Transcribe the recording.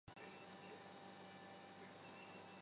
该物种的模式产地在安汶岛。